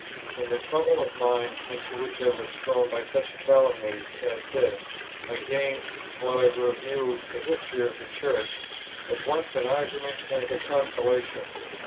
In the trouble of mind into which I was thrown by such calumnies as this, I gained, while I reviewed the history of the Church, at once an argument and a consolation.